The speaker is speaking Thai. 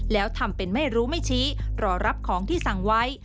แล้วทำเป็นไม่รู้ไม่ชี้รอรับของที่สั่งไว้